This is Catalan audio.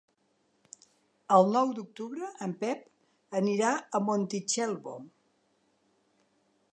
El nou d'octubre en Pep anirà a Montitxelvo.